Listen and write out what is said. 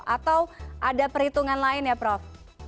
atau ada perhitungan lain ya prof